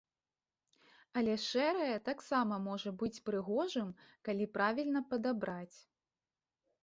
Але шэрае таксама можа быць прыгожым, калі правільна падабраць.